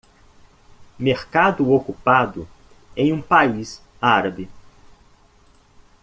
Mercado ocupado em um país árabe.